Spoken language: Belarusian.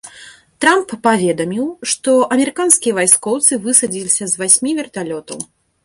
Трамп паведаміў, што амерыканскія вайскоўцы высадзіліся з васьмі верталётаў.